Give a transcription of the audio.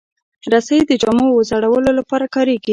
رسۍ د جامو وځړولو لپاره کارېږي.